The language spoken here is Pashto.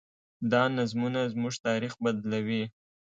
دا نظمونه زموږ تاریخ بدلوي.